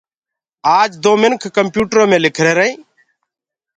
آج دو منک ڪمپيوٽرو مي لک ريهرآئينٚ